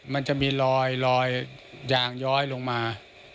มันจะมีลอยยางย้อยลงมา